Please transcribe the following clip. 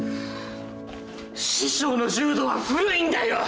師匠の柔道は古いんだよ！